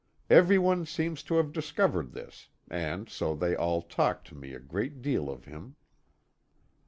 Every one seems to have discovered this, and so they all talk to me a great deal of him.